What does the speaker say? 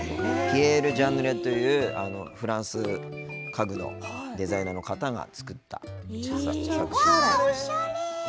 ピエール・ジャンヌレというフランスの家具のデザイナーの方が作った作品ですね。